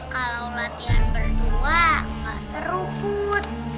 kalau latihan berdua gak seru put